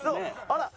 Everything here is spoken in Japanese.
あら！